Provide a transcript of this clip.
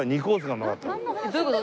どういう事？